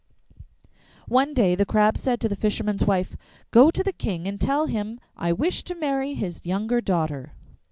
One day the Crab said to the fisherman's wife, 'Go to the King and tell him I wish to marry his younger daughter.